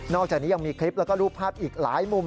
อกจากนี้ยังมีคลิปแล้วก็รูปภาพอีกหลายมุม